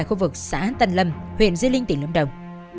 khu vực xã tân lâm huyện di linh tỉnh lâm đồng